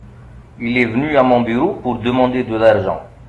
Il est venu à mon bureau pour demander de l’argent.